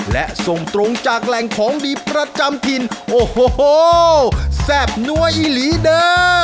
และส่งตรงจากแหล่งของดีประจำถิ่นโอ้โหแซ่บนัวอีหลีเด้อ